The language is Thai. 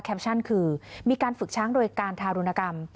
คือมีการฝึกช้างโดยการทารุณกรรม